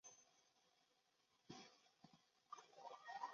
利瓦罗芝士产自法国西北部的诺曼第的利瓦罗。